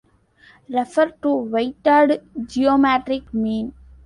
Refer to weighted geometric mean.